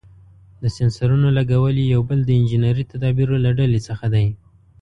د سېنسرونو لګول یې یو بل د انجنیري تدابیرو له ډلې څخه دی.